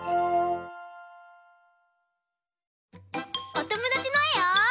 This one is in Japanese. おともだちのえを。